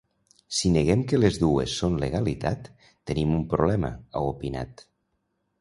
Si neguem que les dues són legalitat, tenim un problema, ha opinat.